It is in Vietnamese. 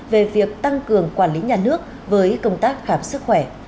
về việc tăng cường quản lý nhà nước với công tác khám sức khỏe